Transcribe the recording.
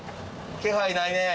気配ないね。